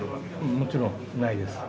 もちろんないです。